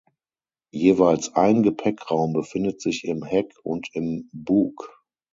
Jeweils ein Gepäckraum befindet sich im Heck und im Bug.